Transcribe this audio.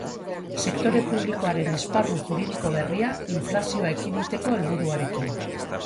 Sektore publikoaren esparru juridiko berria, inflazioa ekiditeko helburuarekin.